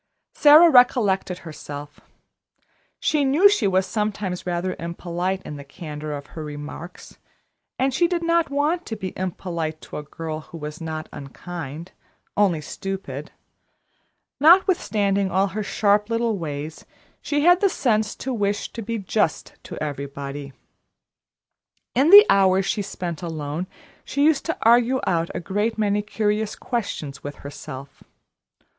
Sara recollected herself. She knew she was sometimes rather impolite in the candor of her remarks, and she did not want to be impolite to a girl who was not unkind only stupid. Notwithstanding all her sharp little ways she had the sense to wish to be just to everybody. In the hours she spent alone, she used to argue out a great many curious questions with herself.